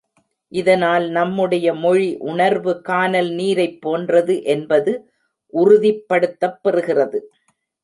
இதனால், நம்முடைய மொழி உணர்வு கானல் நீரைப் போன்றது என்பது உறுதிப்படுத்தப்பெறுகிறது.